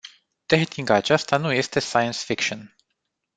Tehnica aceasta nu este science fiction.